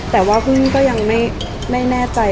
แต่ว่าคุณก็ยังไม่แน่ใจ